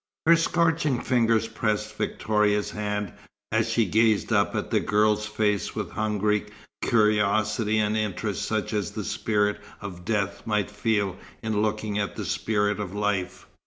Her scorching fingers pressed Victoria's hand, as she gazed up at the girl's face with hungry curiosity and interest such as the Spirit of Death might feel in looking at the Spirit of Life.